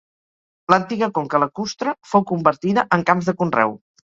L'antiga conca lacustre fou convertida en camps de conreu.